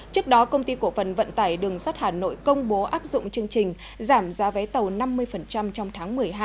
trước đó công ty cổ phần vận tải đường sắt hà nội công bố áp dụng chương trình giảm giá vé tàu năm mươi trong tháng một mươi hai